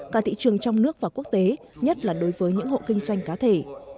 cả thị trường trong nước và quốc tế nhất là đối với những hộ kinh doanh cá thể